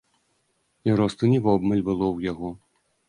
І росту не вобмаль было ў яго.